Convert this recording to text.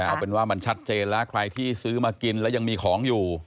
เอาเป็นว่ามันชัดเจนแล้วใครที่ซื้อมากินแล้วยังมีของอยู่